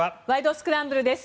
スクランブル」です。